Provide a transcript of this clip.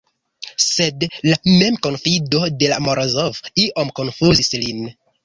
Sed la memkonfido de Morozov iom konfuzis lin.